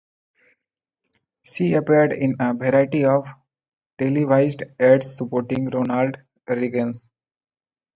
She appeared in a variety of televised ads supporting Ronald Reagan.